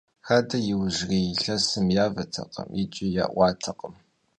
Хадэр иужьрей илъэсым яватэкъым икӀи яӀуатэкъым.